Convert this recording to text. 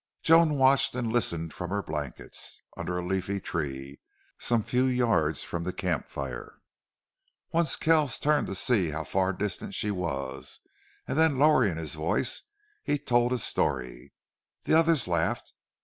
Joan watched and listened from her blankets, under a leafy tree, some few yards from the camp fire. Once Kells turned to see how far distant she was, and then, lowering his voice, he told a story. The others laughed.